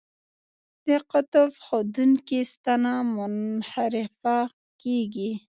د قطب ښودونکې ستنه منحرفه کیږي.